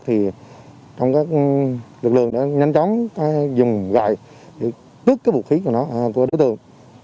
thì trong các lực lượng đã nhanh chóng dùng gại tước cái vũ khí của nó của đối tượng